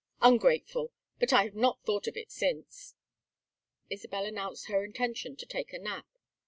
Ungrateful but I have not thought of it since." Isabel announced her intention to take a nap.